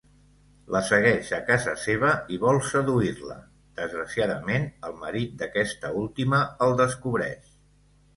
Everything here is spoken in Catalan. La segueix a casa seva i vol seduir-la, desgraciadament el marit d'aquesta última el descobreix.